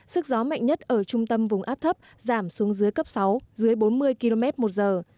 sức gió mạnh nhất ở trung tâm vùng áp thấp giảm xuống dưới cấp sáu dưới bốn mươi km một giờ